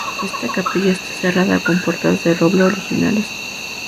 Esta capilla está cerrada con puertas de roble originales.